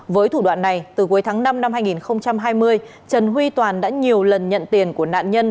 với thủ đoạn này từ cuối tháng năm năm hai nghìn hai mươi trần huy toàn đã nhiều lần nhận tiền của nạn nhân